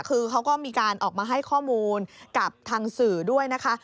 คือเขาก็มีการออกมาให้ข้อมูลกับทางสื่อด้วยนะคะ